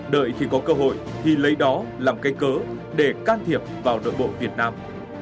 đợi khi có cơ hội thì lấy đó làm canh cớ để can thiệp vào đội bộ việt nam